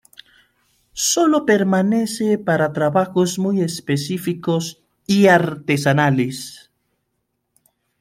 Sólo permanece para trabajos muy específicos y artesanales.